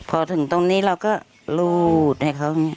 พอถึงตรงนี้เราก็รูดให้เขาอย่างนี้